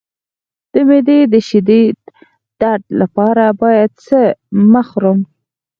د معدې د شدید درد لپاره باید څه مه خورم؟